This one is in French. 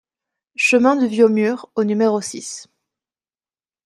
Chemin du Vieux Mur au numéro six